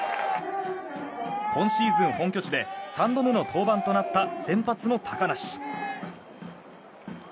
今シーズン本拠地で３度目の登板となった先発の高梨。